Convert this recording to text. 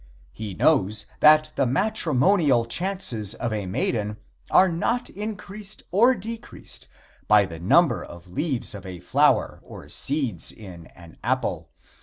He knows that the matrimonial chances of a maiden are not increased or decreased by the number of leaves of a flower or seeds in an apple.